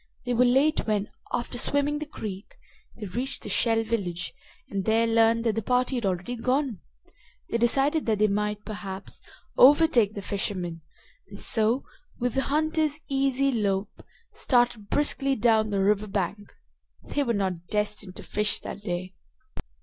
They were late when, after swimming the creek, they reached the Shell village and there learned that the party had already gone. They decided that they might, perhaps, overtake the fishermen, and so, with the hunter's easy lope, started briskly down the river bank. They were not destined to fish that day.